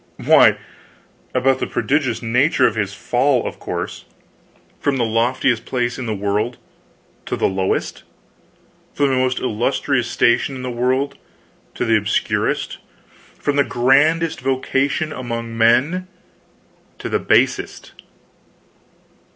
Why, about the prodigious nature of his fall, of course from the loftiest place in the world to the lowest; from the most illustrious station in the world to the obscurest; from the grandest vocation among men to the basest.